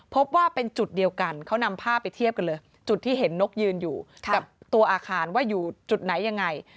พบว่าเป็นจุดเดียวกันเขานำภาพไปเทียบกันเลยจุดที่เห็นนกยืนอยู่กับตัวอาคารว่าอยู่จุดไหนยังไง